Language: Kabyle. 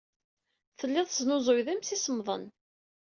Tellid tesnuzuyed imsisemḍen.